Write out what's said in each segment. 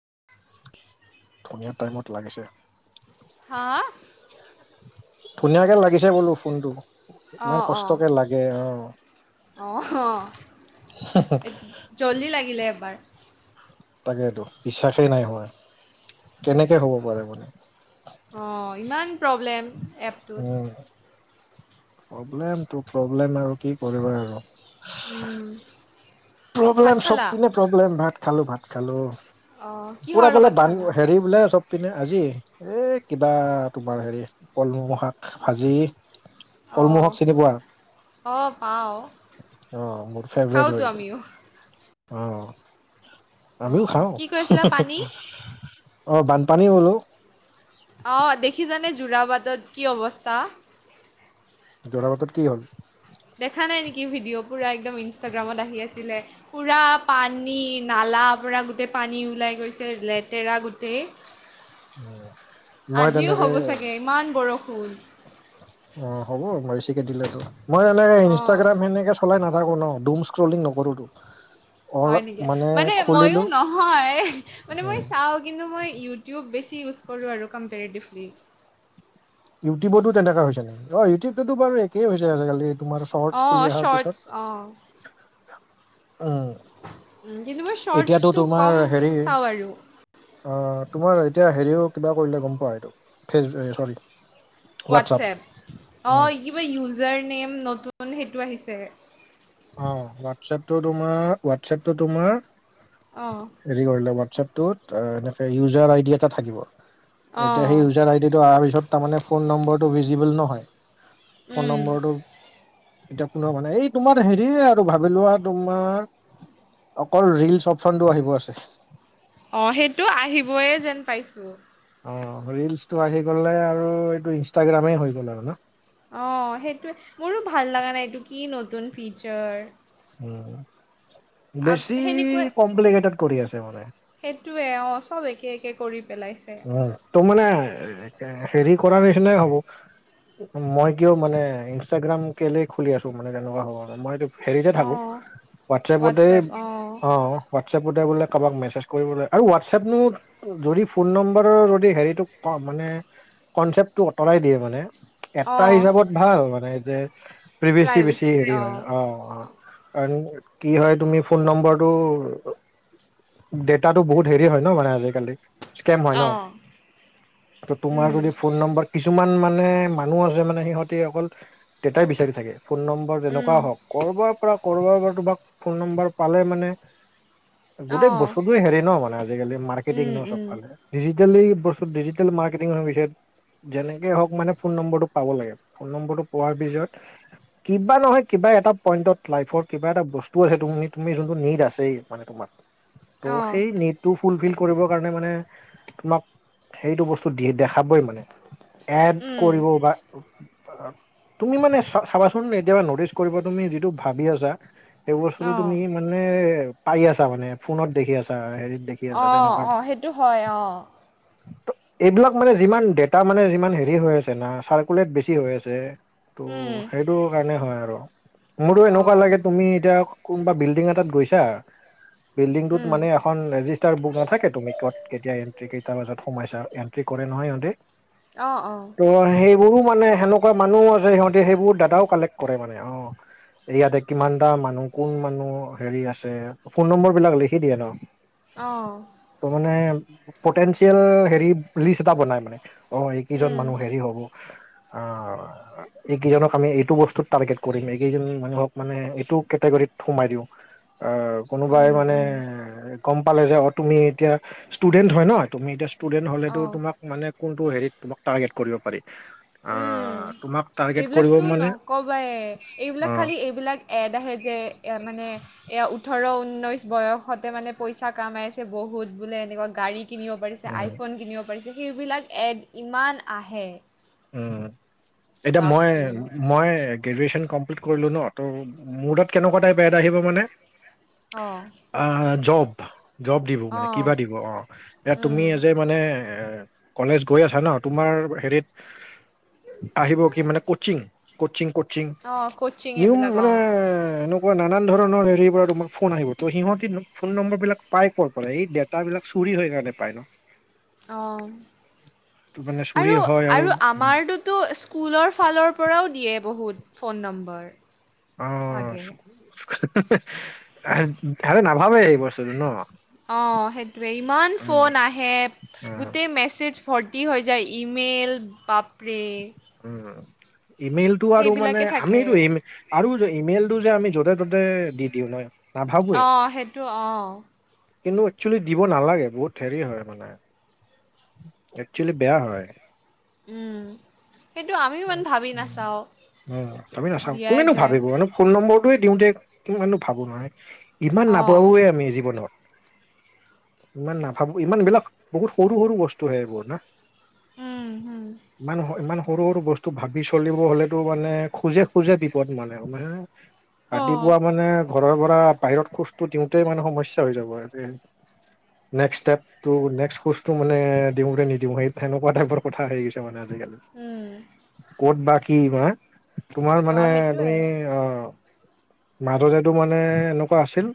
[unintelligible] ধুনীয়া টাইমত লাগিছে। হা? ধুনীয়াকে লাগিছে বোলো ফোনটো, ইমান কষ্টকে লাগে গে অ'। অ' জল্দি লাগিলে এবাৰ। তাকেইটো বিশ্বাসেই নাই হোৱা কেনেকে হ'ব পাৰে মানে। অ' ইমান প্ৰব্লেম। এপটোত অ' প্ৰব্লেমটো, প্ৰব্লেম আৰু কি কৰিবা আৰু। উম। ভাত প্ৰব্লেম চব খালা পিনে প্ৰব্লেম। ভাত খালো, ভাত খালো। অঁ কিহৰ পুৰা বোলে লগত বান খালা হেৰি বোলে চব পিনে আজি এই কিবা তোমাৰ হেৰি কলমৌ শাক ভাজি কলমৌ অঁ শাক চিনি পোৱা? অঁ পাওঁ অ' মোৰ ফেভৰেট খাওঁতো হয় এইটো। আমিও অ' আমিও অঁ খাওঁ। কি কৈছিলা পানী অ' বানপানী হ'লেও অ' দেখিছানে যোৰাবাটত কি অৱস্থা? যোৰাবাটত কি হ'ল? দেখা নাই নেকি ভিডিঅ' পূৰা একদম ইনষ্টাগ্ৰামত আহি আছিলে। পুৰা পানী, নালা পৰা গোটেই পানী ওলাই গৈছে লেতেৰা গোটেই উম, মই আজিও হ'ব তেনেকে চাগে ইমান বৰষুণ। অ' হ'ব বেছিকে দিলেতো মই এনেকে অঁ ইনষ্টাগ্ৰাম সেনেকে চলাই নাথাকো ন' ডুম স্ক্ৰুলিং নকৰোটো। হয় নেকি মানে মইও নহয় মানে মই উম চাওঁ কিন্তু মই ইউটিউব বেছি ইউজ কৰো আৰু কম্পেৰিটিভলি। ইউটিউবতো তেনেকুৱা হৈছে নেকি। অ' ইউটিউব টোতো বাৰু একেই হৈছে আজিকালি। তোমাৰ শ্বৰ্টচ অঁ বুলি অহাৰ শ্বৰ্টছ পিছত। অঁ উম। কিন্তু মই এতিয়াতো শ্বৰ্টচটো তোমাৰ কম হেৰি চাওঁ আৰু। অ' তোমাৰ এতিয়া হেৰিও কিবা কৰিলে গম পোৱা এইটো, ফেজ চৰি। WhatsApp WhatsApp. অ' উম কিবা ইউজাৰ নেম নতুন সেইটো আহিছে। অ' হোৱাটছএপটো তোমাৰ, হোৱাটছএপটো তোমাৰ অ'। হেৰি কৰিলে হোৱাটচএপটোত এনেকে ইউজাৰ আইদি এটা থাকিব। এতিয়া অঁ সেই ইউজাৰ আইডিটো অহাৰ পিছত তাৰমানে ফোন নম্বৰটো ভিজিবল নহয়। ফোন উম, নম্বৰটো, এতিয়া পুনৰ হোৱা নাই এই তোমাৰ হেৰি আৰু ভাবি লোৱা তোমাৰ, অকল ৰিলচ অপচনটো আহিব আছে। অ' সেইটো আহিবয়ে যেন পাইছো। অ' ৰিলচটো আহি গ'লে আৰু এইটো ইনষ্টাগ্ৰামেই হৈ গ'ল আৰু ন। অ' সেইটোৱে মোৰো ভাল লগা নাই এইটো কি নতুন ফিচাৰ। উম। আগ বেছি সেনেকুৱাই কমপ্লিকেটেট কৰি আছে মানে। সেইটোৱে অ' চব একে একে কৰি পেলাইছে। উম ত' মানে হেৰি কৰা নিচিনাই হ'ব। মই কিয় মানে ইনষ্টাগ্ৰাম কেলেই খুলি আছোঁ মানে তেনেকুৱা হ'ব মই হেৰিতে থাকো অঁ হোৱাটছাপতে হোৱাটছএপ অঁ অ'। হোৱাটছাপতে বোলে কাৰোবাক মেছেজ কৰিব লাগে আৰু হোৱাটছাপনো যদি ফোন নম্বৰৰ যদি হেৰিটো মানে কনচেপ্টটো অতৰাই দিয়ে মানে এটা অঁ হিচাপত ভাল মানে যে প্ৰিভছি বেছি প্ৰাইভেচি হেৰি হয় অঁ অ', অঁ কাৰণ কি হয় তুমি ফোন নম্বৰটো ডেটাটো বহুত হেৰি হয় ন মানে আজিকালি স্কেম হয় ন অঁ ত তোমাৰ উম যদি ফোন নম্বৰ কিছুমান মানে মানুহ আছে মানে সিহঁতে অকল ডেটাই বিচাৰি থাকে ফোন নম্বৰ উম যেনেকুৱা হওঁক কৰবাৰ পৰা কৰবাৰ পৰা তোমাক ফোন নম্বৰ পালে মানে [inaudible] গোটেই বস্তুটোৱে হেৰি ন মানে আজিকালি মাৰ্কেটিং উম ন চব। উম ডিজিটেলি বস্তু ডিজিটেল মাৰ্কেটিং হৈ গৈছে। যেনেকে হওঁক মানে ফোন নম্বৰটো পাব লাগে ফোন নম্বৰটো পোৱাৰ পিছত কিবা নহয় কিবা এটা পইণ্টত লাইফৰ কিবা এটা বস্তু আছে তু তুমি যোনটো নেড আছেই। মানে তোমাৰ ত অঁ সেই নেডটো ফুলফিল কৰিবৰ কাৰণে মানে তোমাক সেইটো বস্তু দি দেখাবই মানে। এড উম কৰিব বা। তুমি মানে চব চাবাচোন এতিয়াবা নটিচ কৰিব তুমি যিটো ভাবি আছা সেই বস্তুতটো অঁ তুমি মানে পাই আছা মানে ফোনত দেখি আছা হেৰি অ', অ', সেইটো হয় অ'। ত' এইবিলাক মানে যিমান ডেটা মানে যিমান হেৰি হৈ আছে না চাৰ্কুলেট বেছি হৈ আছে। উম অ', সেইটো কাৰণে হয় আৰু মোৰো এনেকুৱা অঁ লাগে তুমি এতিয়া। কোনোবা বিল্ডিং এটাত গৈছা বিল্ডিংটোত উম মানে এখন ৰেজিষ্টাৰ বুক নাথাকে তুমি ক'ত কেতিয়া এন্টি কেইটা বজাত সোমাইছা এণ্টি কৰে নহয় সিহঁতে অ', অ'। অ', সেইবোৰো মানে সেনেকুৱা মানুহ আছে সিহঁতে সেইবোৰ দাটাও কালেক্ট কৰে মানে অ'। ইয়াতে কিমানটা মানুহ কোন মানুহ হেৰি আছে ফোন নম্বৰ বিলাক লিখি দিয়ে ন। অ'। ত মানে পটেনচিয়েল হেৰি লিষ্ট এটা বনাই মানে। অ', এইকেইজন উম মানুহ হেৰি হ'ব আহ এই কেইজনক আমি এইটো বস্তুত টাৰ্গেট কৰিম এইকেইজন মানুহক মানে এইটো কেটেগৰীত সোমাই দিওঁ। আহ কোনোবাই উম মানে উম গ'ম পালে যে অ', তুমি এতিয়া স্টুডেন্ট হয় ন তুমি এতিয়া স্টুডেন্ট হলেতো অঁ তোমাক মানে কোনটো হেৰিত টাৰ্গেট কৰিব পাৰি। আ। উম এইবিলাকতো নক'বাই অ এইবিলাক খালী এইবিলাক এড আহে যে মানে। এয়া ওঠৰ ঊনৈশ বয়সতে মানে পইচা কামাইছে বহুত বোলে এনেকুৱা গাড়ী কিনিব। পাৰিছে উম আইফোন কিনিব পাৰিছে সেইবিলাক এড ইমান আহে। উম, এতিয়া মই, বাপৰে মই গ্ৰেজুৱেচন কমপ্লিট কৰিলো ন ত' মডত কেনেকুৱা টাইপ এড আহিব মানে অঁ অ', জব, জব দিব মানে অঁ কিবা দিব অ', এ তুমি উম, এজে মানে এ কলেজ গৈ আছা ন তোমাৰ হেৰিত আহিব কি মানে কচিং, কচিং, কচিং অঁ ক'চিং নিউ এইবিলাক মানে অঁ মানে নানান ধৰণৰ হেৰি পৰা তোমাৰ ফোন আহিব ত সিহঁতি ফোন নম্বৰ বিলাক পাই ক'ৰ পৰা এই ডেতাবিলাক- চুুৰি হৈ কাৰণে পায় ন। অঁ ত মানে চুৰি আৰু হয় আৰু- উম। আমাৰটোতো স্কুলৰ ফালৰ পৰাও দিয়ে বহুত ফোন নম্বৰ। অ‍ঁ চাগে তেহেঁতে নাভাবে এই বস্তুটো ন। অঁ' সেইটোৱে, ইমান উম, ফোন আহে উম, গোটেই মেছেজ ভত- তী হৈ যায়, ইমেইল বাপৰে। উম' ইমেইল টো আৰু মানে সেইবিলাকে আমিয়ে থাকে এইটো ইমে- আৰু যে ইমেইলটো যে আমি য'তে ত'তে দি দিওঁ নহয়। অঁ সেইটো অঁ। কিন্তু, একচুৱেলি দিব নালাগে বহুত হেৰি হয় মানে, একচুৱেলি বেয়া হয়। উম' সেইটো আমিও ইমান ভাবি নাচাওঁ, উম আমি নাচাওঁ দিয়াই কোনেনো যায়। ভাবিব মানে ফোন নম্বৰটোৱে দিওঁতে কিমাননো ভাবোঁ নাই ইমান অঁ নাপাৱে আমি জীৱনত। ইমান নাভাবো, ইমান বিলাক বহুত সৰু সৰু বস্তুহে এইবোৰ না। উম হুম মানুহৰ ইমান ইমান সৰু সৰু বচ- তো ভাবি চলিব হলেতো মানে খোজে খোজে বিপদ মানে গম পাইছেনে। অঁ ৰাতিপুৱা মানে ঘৰৰ পৰা বাহিৰত খোজটো দিওঁতে মানে সমস্যা হৈ যাব। Next step. টো নেক্সট খোচটো মানে দিওঁতে নিদিওঁ এই সেনেকুৱা টাইপৰ কথা হৈ গৈছে মানে আজিকালি। উম' ক'ত বা কি বা তোমাৰ মানে অঁ সেইটোৱে তুমি অঁ'। মাজতেটো মানে এনেকুৱা আছিল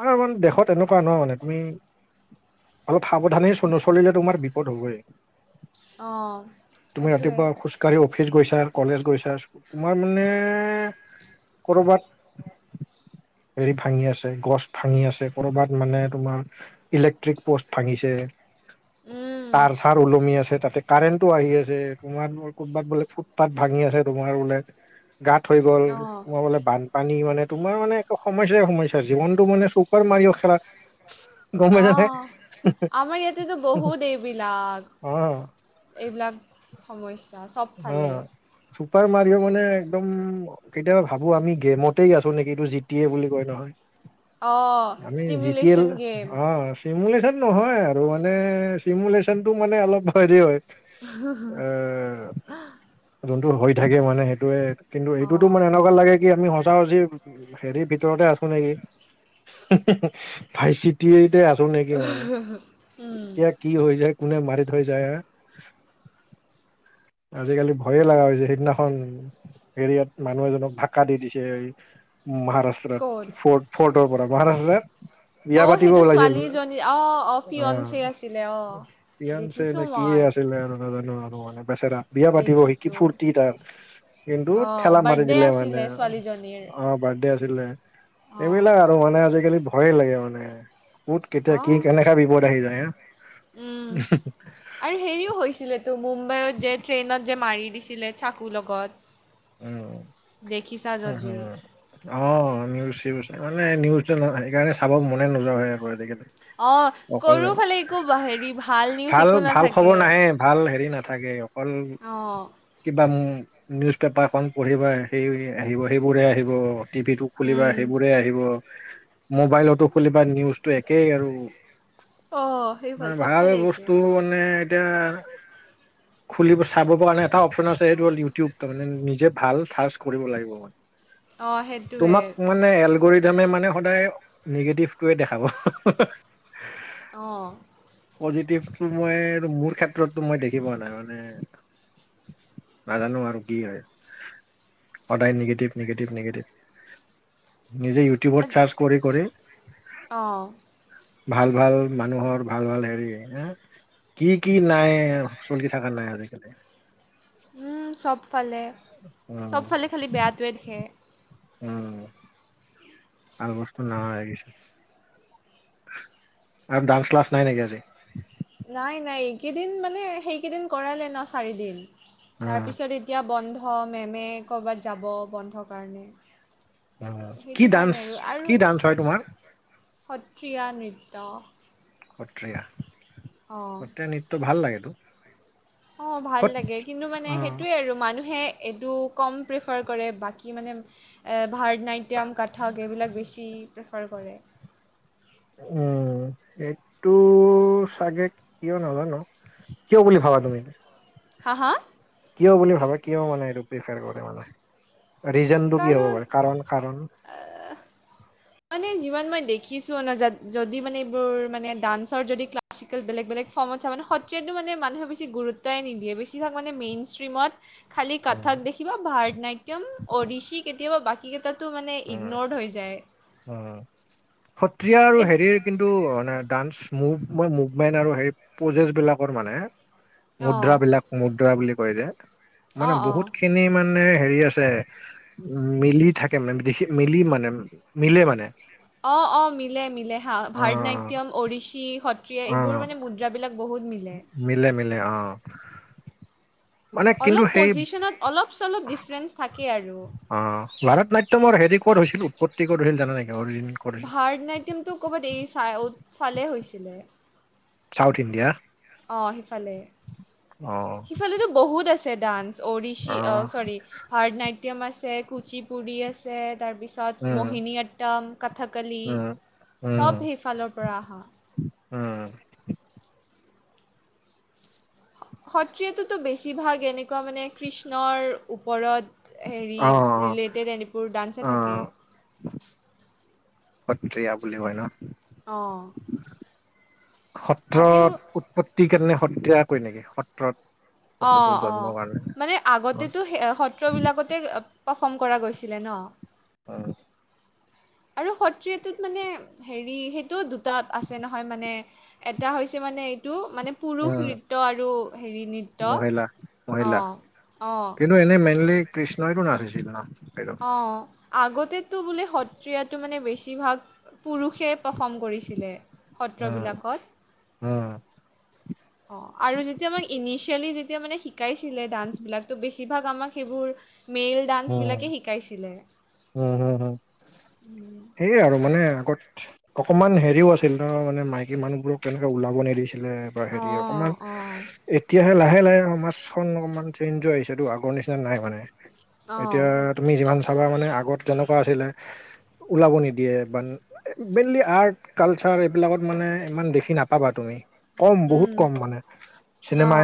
আৰু ইমান দেখ- ত এনেকুৱা নহয় মানে তুমি অলপ সাৱধানে নচলিলে তোমাৰ বিপদ হ'বগে। অঁ' তুমি সেইটোৱে ৰাতিপুৱা খোজ কাঢ়ি অফিচ গৈছা কলেজ গৈছা, তোমাৰ মানে- কৰবাত- হেৰি ভাঙি আছে গছ ভাঙি আছে কৰবাত মানে তোমাৰ- ইলেক্ট্ৰিক পোষ্ট ভাঙিছে, উম তাৰ চাৰ ওলমি আছে তাতে কাৰেণ্টও আহি আ- তোমাৰ ক'বাত বোলে ফুটপাট ভাঙি আছে তোমাৰ বোলে। গাত হৈ গ'ল, অঁ সোমাবলে বান্ধ- পানী মানে তোমাৰ মানে একো সমস্যাই সমস্যা জীৱনটো মানে চুপাৰ মাৰি অ খেলা- গম পাইছানে অঁ' আমাৰ ইয়াতেতো বহুত এইবিলাক। অ এইবিলাক সমস্যা চব- অঁ' চুপাৰ মাৰিও মানে একদম- কেতিয়াবা ভাবো আমি গেমতেই আছো নেকি, এইটো জিটিয়ে বুলি কয় নহয়। অ', আমি G T L, stimulation game. অঁ'। নিমুলেশ্যন নহয় আৰু মানে চিমুলেশ্যন টো মানে অলপ হেৰি হয়। এ, যোনটো হৈ থাকে মানে সেইটোৱে, কিন্তু এইটোতো অ' মানে এনেকুৱা লাগে- আমি সচা সচি হেৰি ভিতৰতে আছো নেকি? ভাইচি- তি এইতে আছোং নেকি মানে, কেতিয়া কি হৈ যায় কোনে মাৰি থৈ যায় হাঁ। আজিকালি ভয়ে লগা হৈছে, সেদিনাখন হেৰিয়াত মানুহ এজনক ধক্কা দি দিছে। ম ক'ত? মহাৰাষ্ট্ৰত ফ ফৰ্ট পৰা মাৰাষ্ট্ৰত- বিয়া অ', পাতিব সেইটো ওলাইছিল বোলে, ছোৱালীজনী অ', অ', ফিয়নচে আছিলে অঁ' অ'। ফিয়ানছে নে দেখিছোঁ কি মই, আ- ছিলে আৰু নাজানো আৰু মানে বেচেৰা। বিয়া পাতিব শিকি দেখিছোঁ। ফূুৰ্তি তাৰ কিন্তু অ', ঠেলা মাৰি বাৰ্থডে দিলে মানে আছিলে ছোৱালীজনীৰ। অ বাৰ্থডে আছিলে অ', এইবিলাক আৰু মানে আজিকালি ভয়ে লাগে মানে কত কেতিয়া কি অ', কেনেকা বিপদ আহি যায় হা উম। আৰু হেৰিও হৈছিল তো মুম্বাইত যে ট্ৰেইনত যে মাৰি দিছিলে চাকুৰ লগত উম দেখিছা উ যদি। হম অ নিউজ চিউজ মানে নিউজ সেইকাৰণে চাব মনে নোযোৱা হয় আৰু আজিকালি অ অকল কৰো ফালে একো হেৰি ভাল নিউজ একো ভাল নাথাকে খবৰ নাহে, ভাল হেৰি নাথাকে অকল অঁ কিবা নিউজ পেপাৰখন পঢ়িব সেই আহিব সেইবোৰে আহিব টিভি টো খুলিবা উম, সেইবোৰে আহিব মোবাইলতো খুলিবা নিউজটো একেই আৰু অ', সেইফাল ভাল চবফালে বস্তু একে। মানে এতিয়া খুলিব চাব কাৰণে এটা অপচন আছে সেইটো হ'ল ইউটিউব তাৰমানে নিজে ভাল ঠাচ কৰিব লাগিব মানে অঁ সেইটোৱে তোমাক মানে এলগৰি ধামে মানে সদায় নিগেটিভটোৱে দেখাব অঁ পজিটিভটো মই মোৰ ক্ষেত্ৰতো মই দেখি পোৱা নাই মানে নাজানো আৰু কি হয় সদায় নিগেটিভ নিগেিভ নিগেটিভ নিজে ইউ টিউবত চাৰ্জ কৰি কৰি অঁ ভাল ভাল মানুহৰ ভাল ভাল হেৰি হ কি কি নাই এ চলি থকা নাই আজিকালি উম চবফালে উম চবফালে খালি বেয়াটোৱে দেখে উম ভাল বস্তু ন লাগিছে আৰু ডান্স ক্লাছ নাই নেকি আজি নাই নাই এইকেইদিন মানে সেইকেইদিন কৰালে ন চাৰিদিন উম তাৰপিছত এতিয়া বন্ধ মেমে ক'ৰবাত যাব বন্ধ কাৰণে অ কি সেইটো কাৰণে ডান্স আৰু আৰু কি ডান্স হয় তোমাৰ সত্ৰীয়া নৃত্য সত্ৰীয়া অঁ সত্ৰিয়া নৃত্য ভাল লাগেতো অ ভাল সত লাগে কিন্তু মানে অ সেইটোয়ে আৰু মানুহে এইটো কম প্ৰিফাৰ কৰে বাকী মানে ভাৰতনাট্যম কঠক এইবিলাক বেছি প্ৰেফাৰ কৰে উম এইটো চাগে কিয় নাজানো কিয় বুলি ভাবা তুমি হা হা কিয় বুলি ভাবে কিয় মানে এইটো প্ৰেফাৰ কৰে মানে ৰিজনটো কি হ'ব পাৰে কাৰণ কাৰণ মানে যিমান মই দেখিছো ন যদি মানে এইবোৰ মানে ডান্সৰ যদি ক্লা ক্াছিকেল বেলে বেলেগ ফৰ্মত চ মে সত্ৰীয়া মানোনুেছি গুৰুতই নিদিয়েছভাগ মানে মেইন ষ্ট্ৰীমত খালি উম কাথাক দেখিবা ভাৰতনাট্য়ম অৰিশি কেতিয়াবা বাকী কেইটাত টো মানে উম ইগনৰ্ড হৈ যায় উম সত্ৰীয়া আৰু এই হেৰিৰ কিন্তুু ডান্স মুভ মুভমেন্ট আৰু হেৰি পহ্ৰজেছ বিলাকৰ মানে মুদ্ৰা অঁ বিলাক মুদ্ৰা বুলি কয় যে মানে অঁ অঁ বহুতখিনি মানে মানে হেৰি আছে উম মিলি থাকে মানে দেখি মিলি মানে মিলে মানে। অ', অ', মিলে মিলে হা অ ভাৰতনাট্যম অৰিশি। সত্ৰীয়া অ এইবোৰ মানে মুদ্ৰাবিলাক বহুত মিলে। মিলে মিলে অ'। মানে কিন্তু অলপ সেই পজিশনত অলপ চলপ ডিফাৰেঞ্চ থাকে আৰু। অ', ভাৰত নাট্যমৰ হেৰি ক'ত হৈছিল উৎপত্তি ক'ত হৈছিল জানা নেকি অৰজিন? ভাৰতনাট্যমটো ক'ৰবাত এৰি চাই ফালেই হৈছিলে। South India? অ', সিফালেই। অ'। আজিকালিতো বহুত আছে ডান্স অৰিশি অ' চৰি। ভাৰতনাট্যম আছে কুচি পুৰি আছে তাৰপিছত উম মোহিনী আট্যম। কথকলি উম, চব উম, সেইফালৰ পৰা অহা। উম। সত্ৰীয়াটোতো বেছিভাগ এনেকুৱা মানে কৃষ্ণৰ ওপৰত। হেৰি অ', অ', ৰিলেটেড এনেবোৰ ডান্সে থাকে। অ', সত্ৰীয়া বুলি কয় নহ? অ'। সত্ৰত উৎপত্তি কেনে সত্ৰিয়া কয় নেকি সত্ৰত? বস্তুটো অ', জন্মৰ অ', কাৰণে মানে আগতেতো সেই সত সত্ৰবিলাকতে প্ৰাৰ্ফম কৰা গৈছিলে ন। অ'। আৰু সত্ৰীয়াটোত মানে হেৰি সেইটোও দু তাত আছে নহয় মানে এটা হৈছে মানে এইটো মানে পুৰুষ উম, নৃত্য আৰু হেৰি নৃত্য মহিলা, মহিলা অ' অ'। কিন্তু এনে মেইনি কৃষ্ণটো নাছিচিল ন। অ', আগতেতো বোলে সত্ৰীয়াটো মানে বেছিভাগ পুৰুষে প্ৰাৰ্ফম কৰিছিলে উম, সত্ৰবিলাকত। উম, অ', আৰু যেতিয়া আমাক ইনিচিয়েলি যেতিয়া মানে শিকাইছিলে ডান্সবিলাকতো বেছিভাগ আমাক সেইবোৰ মেল উম, ডান্সবিলাকে শিকাইছিলে উম, হম, উম। সেয়া আৰু মানে আগত অকমান হেৰিও আছিল নহ মানে মাইকী মানুহবোৰক তেনেকে ওলাব নিদিছিল। লে বা হেৰি অঁ অকমান অঁ এতিয়াহে লাহে লাহে সমাজখন অকমান চেঞ্জ হৈ আহিছে আগৰ নিচিনা নাই মানে। অঁ এতিয়া সেইটো তুমি যিমান চাবা মানে আগত যেনেকুৱা আছিলে ওলাব নিদিয়ে বা মেইনলি আৰ্ট কালচাৰ এইবিলাকত মানে ইমান দেখি নাপাবা তুমি। কম বহুত কম মানে চিনেমা অঁ